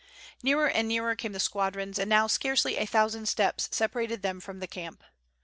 Nearer and nearer came the squadrons, and now scarcely a thousand steps separated them from the camp.